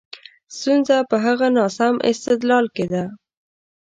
ستونزه په هغه ناسم استدلال کې ده.